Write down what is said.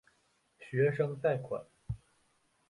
学生贷款。